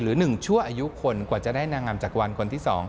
หรือ๑ชั่วอายุคนกว่าจะได้นางงามจากวันคนที่๒